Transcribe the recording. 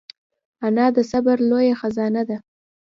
انا د صبر لویه خزانه ده